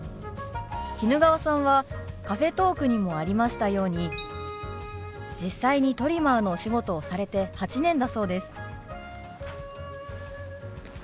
衣川さんはカフェトークにもありましたように実際にトリマーのお仕事をされて８年だそうです。